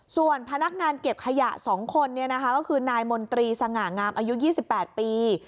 ส่วนพนักงานเก็บขยะ๒คนก็คือนายมนตรีสง่างามอายุ๒๘ปี